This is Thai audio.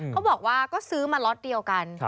เขาบอกว่าก็ซื้อมาล็อตเดียวกัน